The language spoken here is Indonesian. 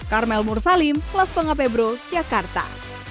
karmel mursalim kelas tengah pebro jakarta